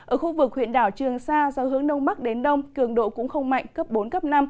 ở khu vực huyện đảo trường sa gió hướng đông bắc đến đông cường độ cũng không mạnh cấp bốn cấp năm